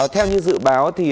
theo như dự báo